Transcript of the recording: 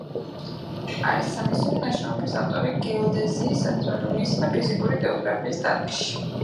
არის სამეცნიერო ნაშრომების ავტორი გეოდეზიის, ასტრონომიისა და ფიზიკური გეოგრაფიის დარგში.